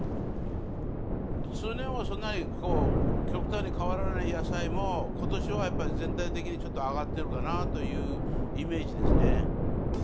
通年はそんなに極端に変わらない野菜も、ことしはやっぱり全体的にちょっと上がってるかなというイメージ